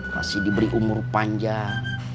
masih diberi umur panjang